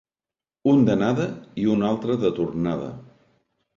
Un d'anada i un altre de tornada.